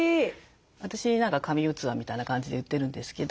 私何か「神器」みたいな感じで言ってるんですけど。